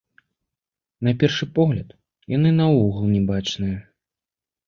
На першы погляд, яны наогул не бачныя.